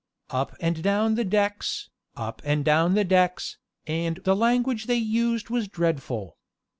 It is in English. Up and down the decks, up and down the decks, and the language they used was dreadful.